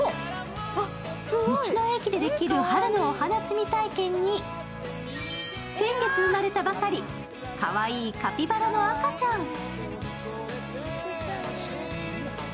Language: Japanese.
道の駅でできる春のお花つみ体験に先月生まれたばかり、かわいいカピバラの赤ちゃん。